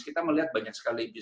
kita melihat banyak sekali